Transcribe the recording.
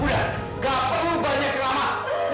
udah tidak perlu banyak ceramah